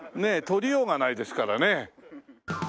取りようがないですからね。